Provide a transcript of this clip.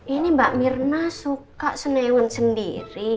ini mbak mirna suka seneun sendiri